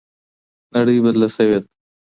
نړۍ بدله سوې ده.